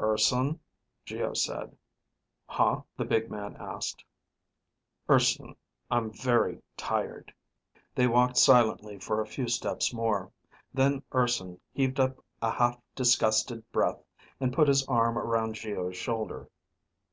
"Urson," Geo said. "Huh?" the big man asked. "Urson, I'm very tired." They walked silently for a few steps more. Then Urson heaved up a half disgusted breath, and put his arm around Geo's shoulder.